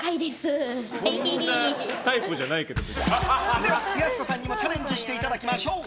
ではやす子さんにもチャレンジしていただきましょう。